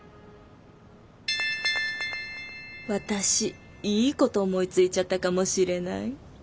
私いいこと思いついちゃったかもしれない。